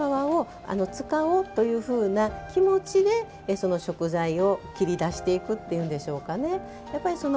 ですから、最初からこの皮を使おうというふうな気持ちでその食材を切り出していくというんでしょうかね。